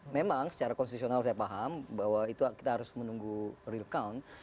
memang secara konstitusional saya paham bahwa itu kita harus menunggu real count